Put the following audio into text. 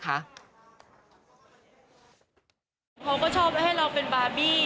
เขาก็ชอบให้เราเป็นบาร์บี้